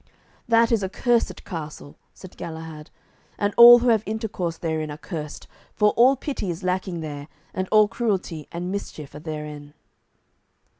"That is a cursed castle," said Galahad, "and all who have intercourse therein are cursed, for all pity is lacking there, and all cruelty and mischief are therein."